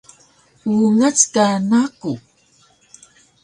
Ungac ka naku